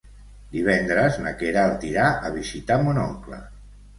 Divendres na Queralt irà a visitar mon oncle.